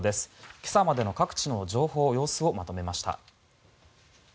今朝までの各地の情報、様子をまとめました。